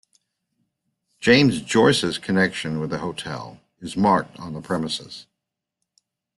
James Joyce's connection with the hotel is marked on the premises.